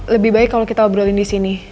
lebih baik kalau kita obrolin disini